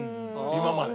今まで。